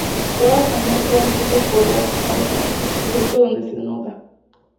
Todas las canciones fueron escritas por Bob Hartman, excepto donde se anota.